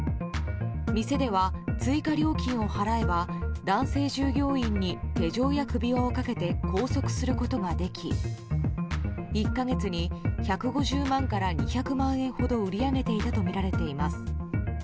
店では、追加料金を払えば男性従業員に手錠や首輪をかけて拘束することができ１か月に１５０万から２００万円ほど売り上げていたとみられています。